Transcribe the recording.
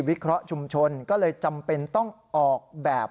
วิเคราะห์ชุมชนก็เลยจำเป็นต้องออกแบบ